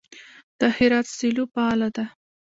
د هرات سیلو فعاله ده.